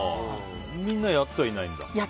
みんな、やってはいないんだ。